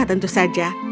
segalanya tentu saja